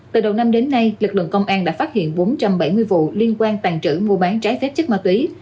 từ đầu năm đến nay lực lượng công an đã phát hiện bốn trăm bảy mươi vụ liên quan tàn trữ mua bán trái phép chất ma túy